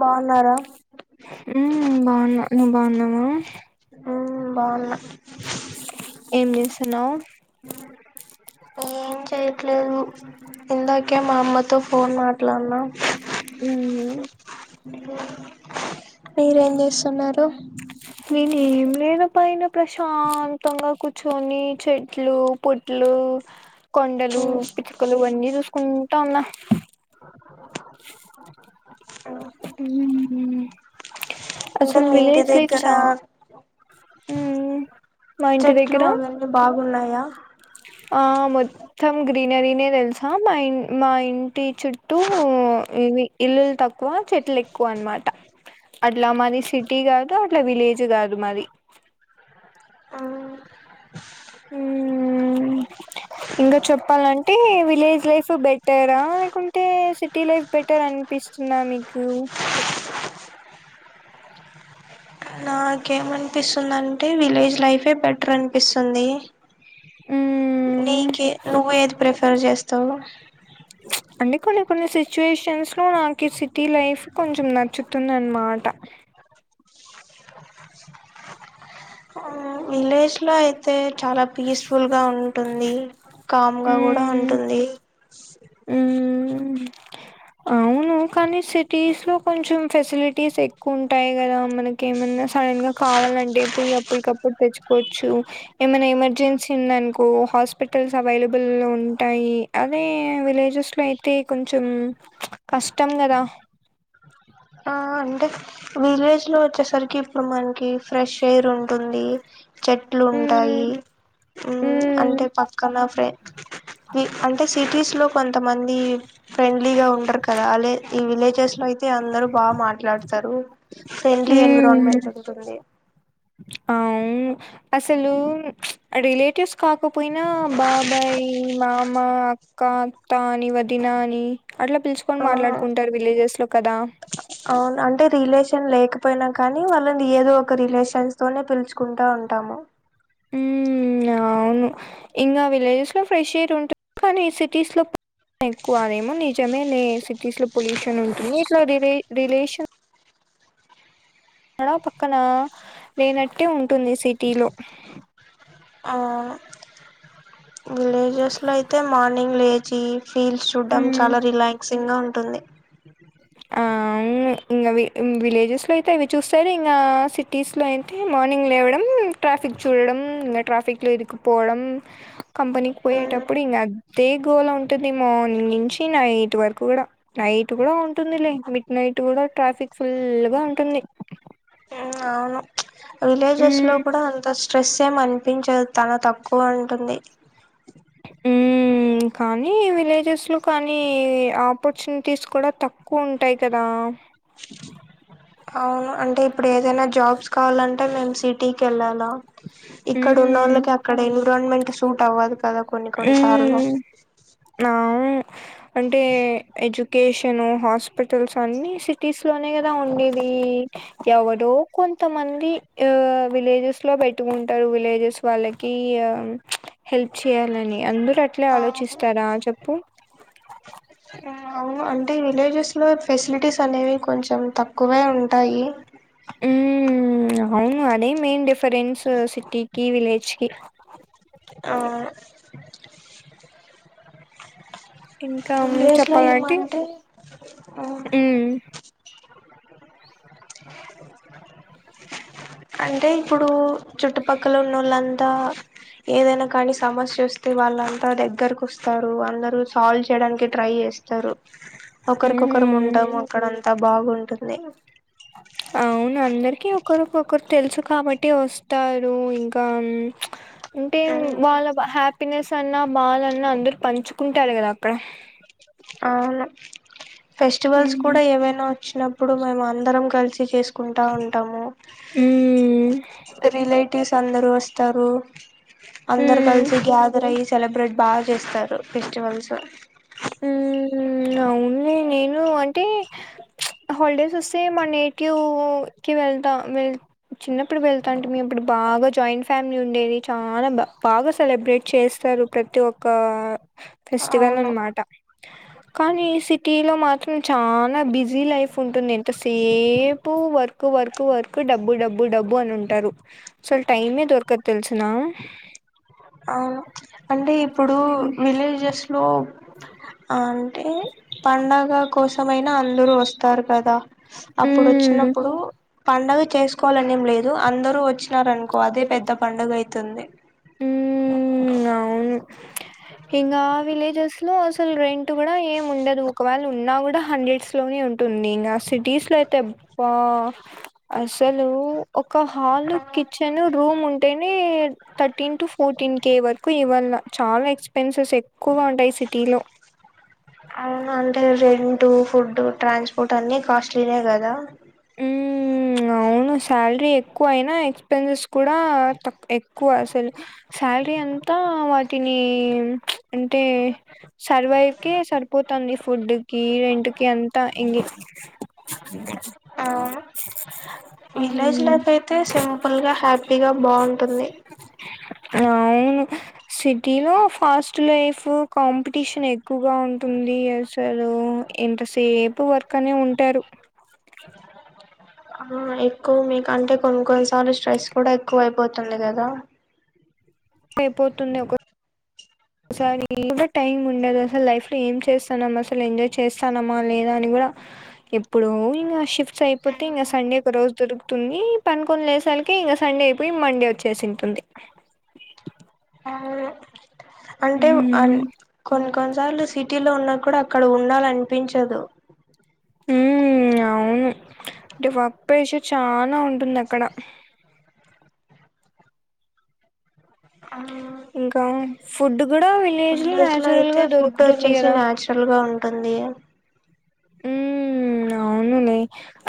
బాగున్నారా ఉ బావున నువ్వు బాగున్నావా ఉ బావునా ఏంచేస్తున్నావ్ ఏం చెయట్లేదు ఇందాకే మా అమ్మతో ఫోన్ మాట్లాడినా ఉ మీ మీరు ఏం చేస్తున్నారు నేనే ఏం లేదు పైన ప్రశాంతంగా కూర్చొని చెట్లు పొట్లు కొండలు పిచ్చకలువన్నీ చూసుకుంటా ఉన్నా అంటే అసలు మీ ఇంటి విలేజ్ లైఫ్ దగ్గర చా హ్మ్ మా ఇంటి చెట్లు దగ్గర అవన్నీ బాగున్నాయి ఆ మొత్తం గ్రీనరీనే తెలుసా మా మా ఇంటి చుట్టూ ఇల్లులు తక్కువ చెట్లు ఎక్కువ అనమాట అట్లా మరి సిటీ కాదు అట్లా విలేజ్ కాదు మరి అ ఇంకా చెప్పాలంటే విలేజ్ లైఫ్ బెటరా లేకుంటే సిటీ లైఫ్ బెటర్ అనిపిస్తుందా మీకు నాకేమనిపిస్తుంది అంటే విలేజ్ లైఫే బెటర్ అనిపిస్తుంది మ్మ్ నీక నువేది ప్రిఫర్ చేస్తావ్ చేస్తావ్ అంటే కొన్ని కొన్ని సిచ్యుయేషన్స్ లో నాకు ఈ సిటీ లైఫ్ కొంచెం నచ్చుతుందిన్నమాట విలేజెస్ లో అయితే చాలా పీస్ఫుల్ గా ఉంటుంది కా కూడా మ్మ్ ఉంటుంది మ్మ్ అవును కానీ సిటీస్ లో కొంచెం ఫెసిలిటీస్ ఎక్కువ ఉంటాయి కదా మనకి ఏమైన్నా సడన్ గా కావాలంటే పోయి అప్పటికప్పుడు తెచ్చుకోవచ్చు ఏమైనా ఎమర్జెన్సీ ఉందనుకో హాస్పిటల్స్ అవైలబుల్ ఉంటాయి అదే విలేజెస్ లో అయితే కొంచెం కష్ట కుందరా ఆ అంటే విలేజ్ లో వచ్చేసరికి ఇప్పుడు మనకి ఫ్రెష్ ఎయిర్ ఉంటుంది చెట్లు హ్మ్ ఉంటాయి హ్మ్ అంటే పక్కన ఫ్రే అంటే సిటీస్ లో కొంతమంది ఫ్రెండ్లీగా ఉండరు కదా అధే ఈ విలేజెస్ లో అయితే అందరు బా మాట్లాడతారు ఫ్రెండ్లీ హ్మ్ ఎన్విరాన్మెంట్ ఉంటుంది అవును అసలు రిలేటివ్స్ కాకపోయినా బాబాయ్ మా మా అక్క అత్తాని వదినాన్ని అట్లా పిలుచుకొని ఆ మాట్లాడుకుంటారు విలేజెస్ లో కదా పోయినా కానీ వాళ్ళను ఏదో ఒక రిలేషన్స్ తోనే పిలుచుకుంటా ఉంటాము హ్మ్ అవును ఇంకా విలేజెస్లో ఫ్రెష్ ఎయిర్ ఉంటుంది కానీ సిటీస్లో ఎక్కువ అదేమో నిజమే లే సిటీస్లో పొల్యూషన్ ఉంటుంది ఇట్లా రిలే రిలేషన్ మడ పక్కన లేనట్టే ఉంటుంది సిటీలో ఆ విలేజెస్ లో అయితే మార్నింగ్ లే చి ఫీల్డ్స్ చూడ్డం హ్మ్. చాలా రిలాక్సింగ్ గా ఉ టుంది ఆ మ్ ఇంకా విలేజెస్లో అయితే అవి చూస్తారు ఇంకా సిటీస్లో అయితే మార్నింగ్ లేవ్వడం ట్రాఫిక్ చూడడం ట్రాఫిక్లో ఇరికుపోవడం కంపెనీకి పోయేటప్పుడు ఇంగా అ అదే గోళ ఉంటది మార్నింగ్ నుంచి నైట్ వరకు కూడా నైట్ కూడా ఉంటుందిలే మిడ్ నైట్ కూడా ట్రాఫిక్ ఫుల్ గా ఉంటుంది అవును విలేజెస్ లో మ్మ్ కూడా అంతష్ట స్ట్రెస్ ఏమ అనిపించదు తను తక్కువ ఉంటుంది హ్మ్ కానీ విలేజెస్లో కానీ ఆపర్చునిటీస్ కూడా తక్కువ ఉంటాయి కదా అవును అంటే ఇప్పుడు ఏదైనా జాబ్స్ కావాలంటే మేము సిటీకి వెళ్ళాలా ఇక్కడ ఉన్న మ్మ్ వాళ్ళకి అక్కడ ఎన్విరాన్మెంట్ సూట్ అవ్వదు కదా కొన్ని కొన్ని సార్లు మ్మ్ నా అంటే ఎడ్యుకేషన్ [inaudible] హాస్పిటల్స్ అన్ని సిటీస్ లోనే కదా ఉండేవి ఎవరో కొంతమంది విలేజెస్ లో పెట్టుకుంటారు విలేజెస్ వాళ్ళకి హెల్ప్ చే చేయాలని అందరుూ అట్లే ఆలోచిస్తారా చెప్పు అవును అంటే విలేజెస్ లో ఫెసిలిటీస్ అనేవి కొంచెం తక్కువే ఉంటాయి ఉమ్ అవును అదే మెయిన్ డిఫరెన్స్ సిటీకి ఈ విలేజ్ కి ఆ [inaudible] ఇంకానూ విలేజ్ లో చెప్పాలంటె ఏమంటే ఊ అంటే ఇప్పుడూ చుట్టుపక్కల ఉన్నోళ్ళంతా ఏదైనా కానీ సమస్య వస్తే వాళ్ళంతా దగ్గరకొ స్తారూ అందరూ సాల్వ్ చేయడానికి ట్రై చేస్ చేస్తారు తరు ఒకరికొకరం ఉమ్ ఉంటాము అక్కడంత్ త బాగుంటుంది అవ్ను అందరికి ఒకరికొకరు తెల్సు కాబట్టి వస్తారూ ఇంకా అంటే వాళ్ళ హ్యాపినెస్ కన్నా బాధన్నా అందురు పంచుకుంటారు కదా అక్కడ అవును ఫెస్టివల్స్ కూడ ఉమ్ ఏవైనా వచ్చినప్ ఇప్పుడు మేమ్ అందరం కల్సి చేసుకుం కుంటా ఉంటాము ఉమ్ రిలేటివ్స్ అందర్ రొస్తారూ అందర్ ఉమ్ కల్సి గ్యాదర్ ఐ సెలబ్రేట్ బా చేస్తారు ఫెస్టివల్స్ ఊ అవ్ను నేనూ అంటే హాల్డేస్ వస్తే మా నేటివ్ కి వెళ్తా వె చిన్నప్పుడు వెళ్తాంటిమి అప్పుడు బాగా జాయింట్ ఫ్యామిలీ ఉండేది చాలా బా బాగా సెలబ్రేట్ చేస్తారు ప్రతి ఒక్క ఫెస్టివల్ అవును అన్మాట కానీ సిటీలొ మాత్రం చాన బిజీ లైఫ్ ఉంటుంది ఎంత సేపు వర్కు వర్కు వర్కు డబ్బు డబ్బు డబ్బు అ నుంటారు సల్ టైమె దొర్కద్ తెల్సునా అవును అంటే ప్పుడూ విలేజస్లో అంటే పండగ కోసమయిన అందరూ వస్తారు కద మ్మ్ అప్పుడొచ్చినప్పుడు పండగ చేస్కోలనేం లేదు అందరూ వచ్చినారన్కొ అదే పెద్ద పండగ అయ్తుంది మ్మ్ [inaudible] అవును ఇంగా విలేజెస్ లో అసల్ రెంటు కూడ ఏమ్ ఉండదు ఒకవేల్ ఉన్నా కూడ హండ్రెడ్స్లోనె ఉంటుంది ఇంగ సిటీస్లొ అయితే అబ్బా అసలూ ఒక హాల్ కిచెన్ రూమ్ ఉంటేనే థర్టీన్ టు ఫోర్టీన్ కే వర్ ఇవన్న చాల ఎక్స్పెన్సెస్ ఎక్ అవును అంటే రెం ఫుడ్డు ట్రాన్స్పోర్ట్ అన్ని కాస్ట్లీనే కదా ఊ అవును సాలరీ ఎక్కువయ్నా ఎక్స్పెన్సె కూడా తక్ ఎక్ క్కువ అసల్ శాల్రీ అంతా వాటినీ అంటే సర్వైవ్కే సరిపోతాంది ఫుడ్ కీ రెంట్ కి అంత ఎంగె అవును విలేజ్ మ్మ్ లైఫ్ అయితే సింపుల్ గా హ్యాపీగా బాన్టుంది అవును సిటీలో ఫాస్ట్ లైఫ్ కాంపిటీషన్ ఎక్కువగా ఉంటుంది అసలు ఎంతసేపు వర్క్ అనే ఉంటారు ఆ ఎక్కువ మీకంటే కొన్ని కొన్నిసార్లు స్ట్రెస్ కూడ ఎక్కువ అపోతుంది కదా అయిపోతుంది ఒక ఒకసారి టైం ఉండదు అసలు లైఫ్ లో ఏం చేస్తానమా అసలు ఎంజాయ్ చేస్తానమా లేదా అని కూడా ఎప్పుడు ఇంకా షిఫ్ట్ అయిపోతే ఇంగ సండే ఒక రోజు దొరుకు పనికొన్ని లేసాలకే ఇంకా సండే అయిపోయి మండే వచ్చేసింటుంది అవును అంటే అ మ్మ్ కొన్ కొన్నిసార్లు సిటీలో ఉన్న కూడ అక్కడ ఉండాలనిపించదు ఉ అవును అంటే వర్క్ ప్రెజర్ చా ఉంటుంది అక్కడ ఇంకా ఫుడ్ కూడ విలేజ్ లో నాచురల్ గా దొరుకుతుంది కదా తుంది ఉ అవునులే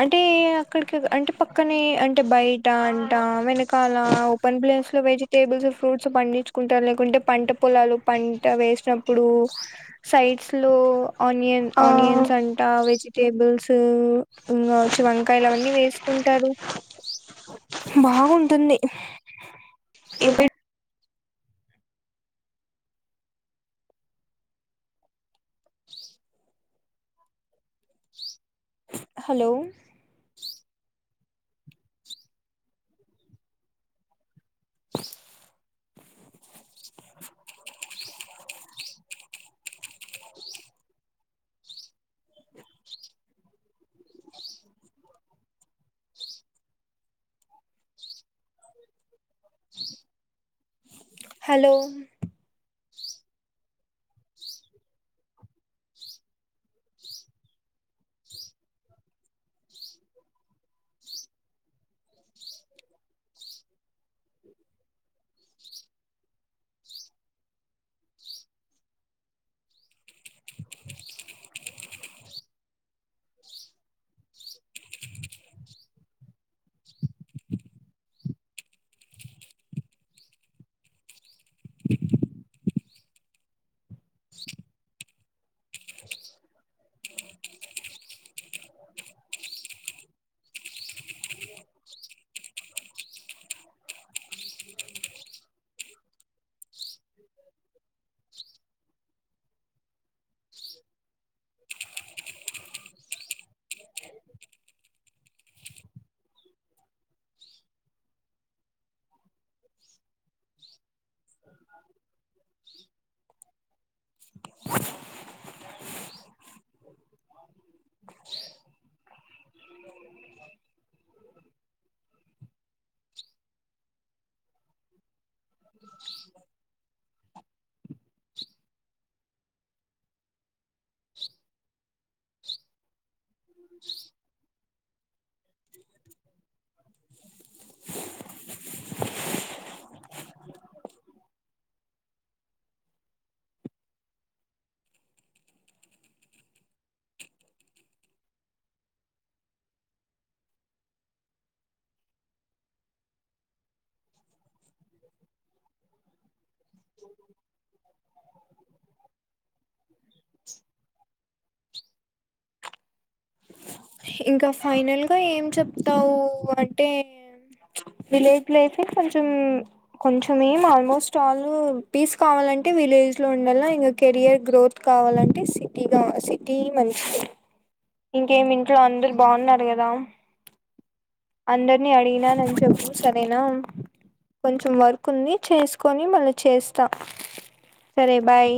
అంటే అక్కడికి అంటే పక్కనే అం అంటే బయట అంటా వెనకాల ఓపెన్ ప్లేస్ వెజిటేబుల్స్ ఫ్రూట్స్ పండించుకుంటారు లేకుంటే పంట పొలాలు పంట వేసినప్పుడు సైడ్స్ లో ఆనియన్ ఆ ఆనియన్స్ అం వెజిటేబుల్స్ ఇంకా వచ్చి వంకాయలు అవన్నీ వేసుకుం టరు బాగుంటుంది ఇవి హలో హలో అ [inaudible] ఇంకా ఫైనల్గా ఏం చెప్తావు అంటే ప్చ్ విలేజ్ లైఫ్ ఏ కొంచెం ఏం ఆల్మోస్ట్ ఆల్ పీస్ కావాలంటే విలేజ్ లో ఉండలా ఇంకా కెరియర్ గ్రోత్ కావాలంటే సిటీ కావ అంటే సిటీ మంచిది ఇంకేమి ఇంట్లో అందరు బాగున్నారు కదా అందరినీ అడిగినానని చెప్పు సరేనా కొంచెం వర్క్ ఉంది చేసుకొని మళ్ళీ చేస్తా సరే బాయ్